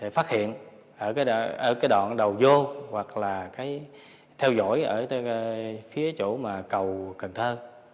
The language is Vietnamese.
phát hiện ở cái đoạn đầu vô hoặc là cái theo dõi ở phía chỗ mà cầu cần thơ